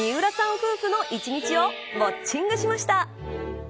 夫婦の１日をウオッチングしました。